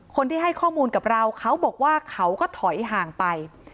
คนที่ให้ข้อมูลกับเราเขาบอกว่าเขาก็ถอยห่างไป